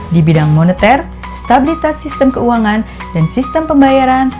di bidang moneter stabilitas sistem keuangan dan sistem pembayaran